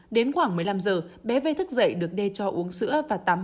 đến khoảng một mươi năm giờ bé v thức dậy được đê cho uống sữa và tắm